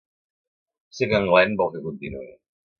Sé que en Glenn vol que continuï.